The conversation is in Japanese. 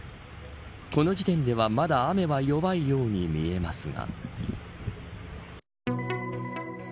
この時点では、まだ雨は弱いように見えますが。